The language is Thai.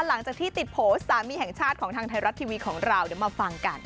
หลังจากที่ติดโพสต์สามีแห่งชาติของทางไทยรัฐทีวีของเราเดี๋ยวมาฟังกัน